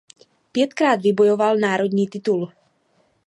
Pětkrát vybojoval národní titul.